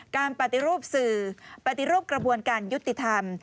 การปฏิรูปสื่อปฏิรูปกระบวนการยุติธรรม